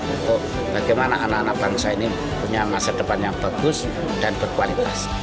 untuk bagaimana anak anak bangsa ini punya masa depan yang bagus dan berkualitas